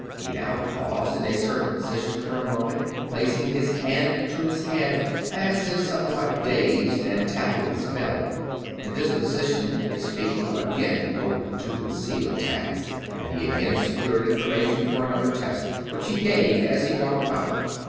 He now paused in a certain position for a moment, placing his hand to his head as if somewhat dazed and tapping his bell. In this position his feet were again over two concealed tacks, and he again secured informa tion for another test, which he gave as he walked about.